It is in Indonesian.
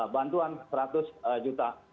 bantuan seratus juta